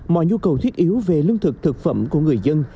mọi nhu cầu thiết yếu về lương thực thực phẩm của người dân